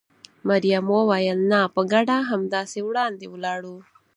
مريم وویل: نه، په ګډه همداسې وړاندې ولاړو.